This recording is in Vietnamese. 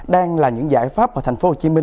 đang là những giải pháp mà tp hcm